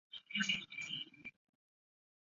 该庙是科尔沁左翼中旗格鲁派的发祥地。